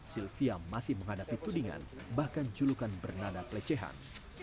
sylvia masih menghadapi tudingan bahkan julukan bernada pelecehan